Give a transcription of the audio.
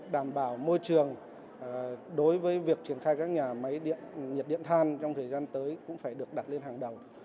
đảm bảo môi trường đối với việc triển khai các nhà máy điện nhiệt điện than trong thời gian tới cũng phải được đặt lên hàng đầu